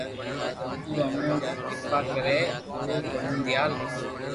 تو امو نت ڪرپا ڪرو او دون ديال